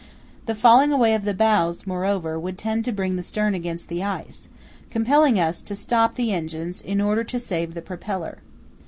The falling away of the bows, moreover, would tend to bring the stern against the ice, compelling us to stop the engines in order to save the propeller.